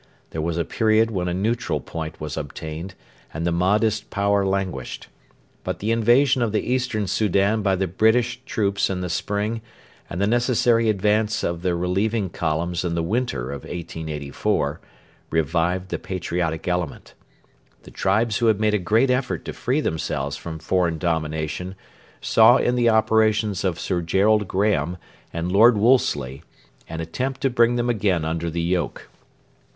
There was a period when a neutral point was obtained and the Mahdist power languished. But the invasion of the Eastern Soudan by the British troops in the spring and the necessary advance of the relieving columns in the winter of 1884 revived the patriotic element. The tribes who had made a great effort to free themselves from foreign domination saw in the operations of Sir Gerald Graham and Lord Wolseley an attempt to bring them again under the yoke.